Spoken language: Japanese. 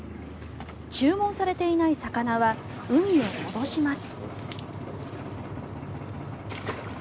注文されていない魚は海へ戻します。